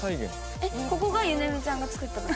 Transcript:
えっここがゆねみちゃんが作ったとこ？